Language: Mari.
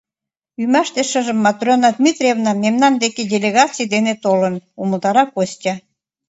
— Ӱмаште шыжым Матрена Дмитриевна мемнан деке делегаций дене толын, — умылтара Костя.